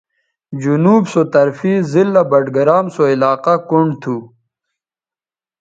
جنوب سو طرفے ضلع بٹگرام سو علاقہ کنڈ تھو